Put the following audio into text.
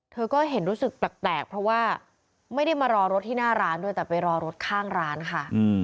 เธอก็เห็นรู้สึกแปลกเพราะว่าไม่ได้มารอรถที่หน้าร้านด้วยแต่ไปรอรถข้างร้านค่ะ